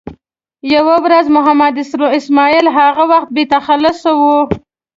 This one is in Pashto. یوه ورځ محمد اسماعیل هغه وخت بې تخلصه و.